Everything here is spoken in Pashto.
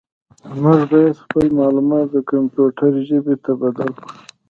موږ باید خپل معلومات د کمپیوټر ژبې ته بدل کړو.